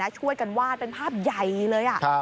ช่วยกันวาดเป็นภาพใหญ่เลย